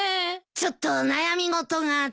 ちょっと悩み事があって。